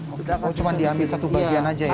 oh cuma diambil satu bagian saja ya